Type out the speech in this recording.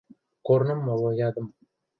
Корным моло ядым.